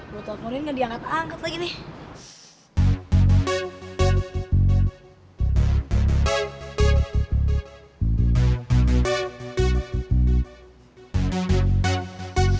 nanti gue gak cinta lagi nih kalo gak dibukain